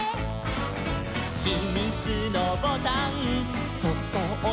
「ひみつのボタンそっとおしたら」「」